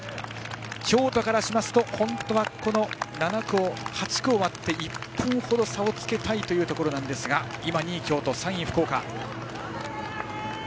京都からすると本当は８区が終わって１分程、差をつけたいというところなんですが２位に京都、３位に福岡。